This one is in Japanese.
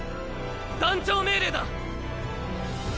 団長命令だ！